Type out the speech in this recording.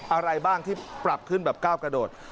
อะไรบ้างที่ปรับขึ้นแบบก้าวกระโดด